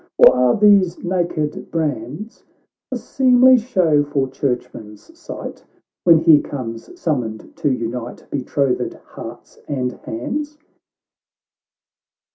Or are these naked brands A seemly show for Churchman's sight, When he comes summoned to unite Betrothed hearts and hands